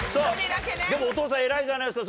でもお父さん偉いじゃないですか。